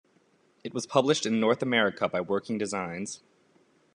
It was published in North America by Working Designs.